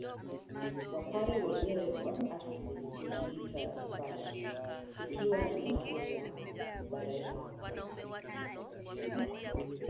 Wapare wenyewe kwa asili hujiita Vaasu ikiwa na maana ya vareasa